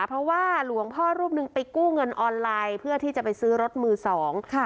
เพราะว่าหลวงพ่อรูปหนึ่งไปกู้เงินออนไลน์เพื่อที่จะไปซื้อรถมือสองค่ะ